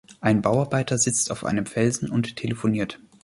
ein Bauarbeiter sitzt auf einem Felsen und telefoniert.